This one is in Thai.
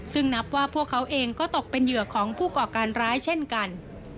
ซึ่งนับว่าพวกเขาเองก็ตกเป็นเหยื่อของผู้ก่อการร้ายเช่นกัน